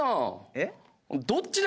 えっ？